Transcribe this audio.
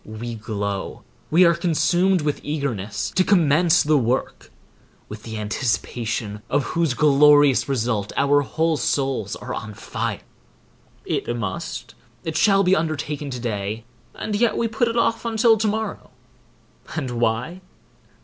We glow, we are consumed with eagerness to commence the work, with the anticipation of whose glorious result our whole souls are on fire. It must, it shall be undertaken to day, and yet we put it off until to morrow; and why?